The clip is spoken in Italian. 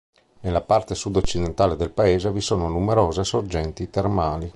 Nella parte sud-occidentale del Paese vi sono numerose sorgenti termali.